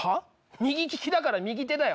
右利きだから右手だよ。